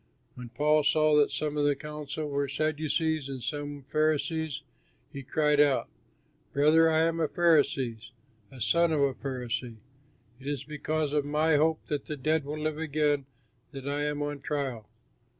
When Paul saw that some of the council were Sadducees and some Pharisees, he cried out, "Brothers, I am a Pharisee, a son of Pharisees. It is because of my hope that the dead will live again that I am on trial!"